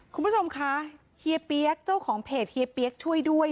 คุณผู้ชมคะเฮียเปี๊ยกเจ้าของเพจเฮียเปี๊ยกช่วยด้วย